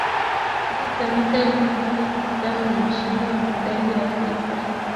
mbio za mita elfu moja mia tano na mshindi wa medali ya fedha